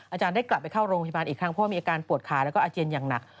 อาจารย์ได้กลับไปเข้าโรงพยาบาลอีกครั้งเพราะว่ามีอาการปวดขาแล้วก็อาเจียนอย่างหนัก